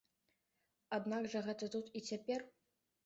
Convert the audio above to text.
Аднак жа гэта тут і цяпер!